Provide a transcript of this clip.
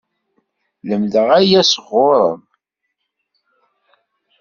Lemdeɣ aya sɣur-m!